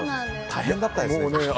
大変だったですね。